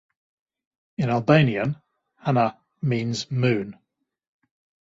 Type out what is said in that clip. In Albanian, "Hana" means "moon".